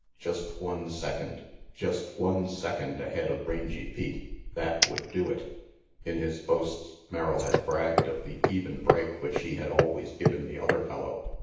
Just one second. Just one second ahead of Rangy Pete. That would do it. In his boasts, Merrill had bragged of the even break which he had always given the other fellow.